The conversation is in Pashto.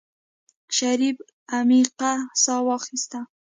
شريف عميقه سا واخيسته.